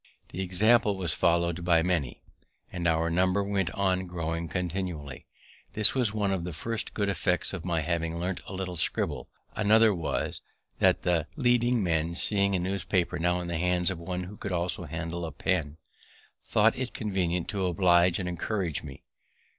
Their example was follow'd by many, and our number went on growing continually. This was one of the first good effects of my having learnt a little to scribble; another was, that the leading men, seeing a newspaper now in the hands of one who could also handle a pen, thought it convenient to oblige and encourage me.